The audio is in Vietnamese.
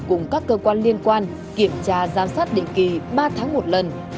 cùng các cơ quan liên quan kiểm tra giám sát định kỳ ba tháng một lần